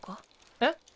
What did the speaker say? えっ？